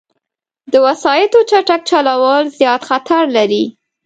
د وسايطو چټک چلول، زیاد خطر لري